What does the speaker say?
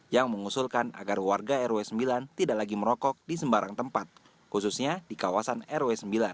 yang mengusulkan agar warga rw sembilan tidak lagi merokok di sembarang tempat khususnya di kawasan rw sembilan